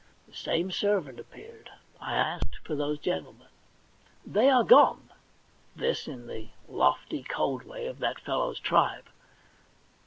The tame servant appeared. I asked for those gentlemen. * They are gone.' This in the lofty, cold way of that fellow's tribe.